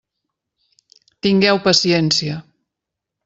Tingueu paciència!